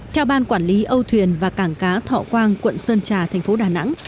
theo ban quản lý âu thuyền và cảng cá thọ quang quận sơn trà thành phố đà nẵng